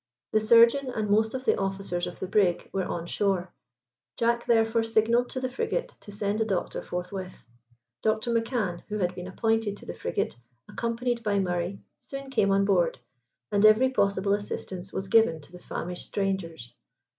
The surgeon and most of the officers of the brig were on shore. Jack, therefore, signalled to the frigate to send a doctor forthwith. Doctor McCan, who had been appointed to the frigate, accompanied by Murray, soon came on board, and every possible assistance was given to the famished strangers.